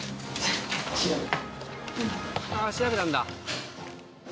あっ調べたんだ